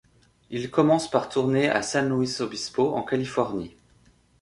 Ils commencent par tourner à San Luis Obispo, en Californie.